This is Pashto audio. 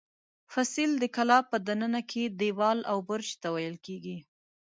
فصیل د کلا په دننه کې دېوال او برج ته ویل کېږي.